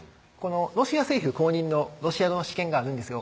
ロシア政府公認のロシア語の試験があるんですよ